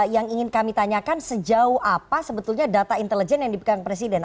yang ingin kami tanyakan sejauh apa sebetulnya data intelijen yang dipegang presiden